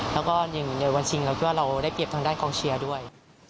แล้วก็อย่างในวันชิงเราคิดว่าเราได้เปรียบทางด้านกองเชียร์ด้วย